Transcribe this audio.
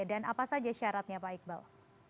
dan apa saja syaratnya pak iqbal